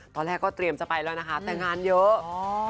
ตอนแรกก็เตรียมจะไปแล้วนะคะแต่งานเยอะ